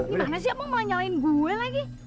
gimana sih kamu mau nyalain gue lagi